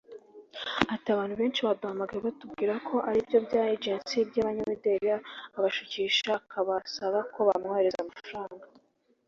Ati “Abantu benshi baduhamagaye batubwiye ko ari ibyo bya Agence y’abanyamideli abashukisha akabasaba ko bamwoherereza amafaranga